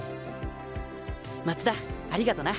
松田ありがとな。